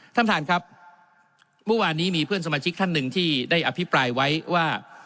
ท่านประธานครับเมื่อวานนี้มีเพื่อนสมาชิกท่านหนึ่งที่ได้อภิปรายไว้ว่า